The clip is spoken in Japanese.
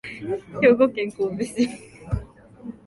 兵庫県神戸市